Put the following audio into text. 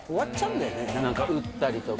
打ったりとか。